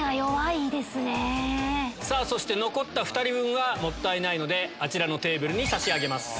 そして残った２人分はもったいないのであちらのテーブルに差し上げます。